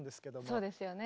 そうですよね。